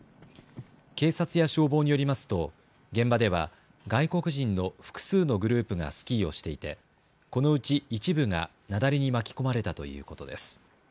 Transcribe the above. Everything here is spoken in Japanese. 警察や消防によりますと現場では外国人の複数のグループがスキーをしていてこのうち一部が雪崩に巻き込まれたということです。